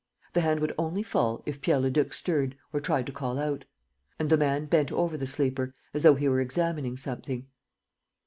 The hand would only fall if Pierre Leduc stirred or tried to call out. And the man bent over the sleeper, as though he were examining something.